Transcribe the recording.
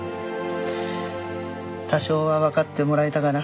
多少はわかってもらえたかな？